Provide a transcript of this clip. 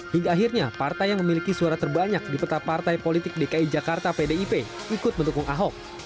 hingga akhirnya partai yang memiliki suara terbanyak di peta partai politik dki jakarta pdip ikut mendukung ahok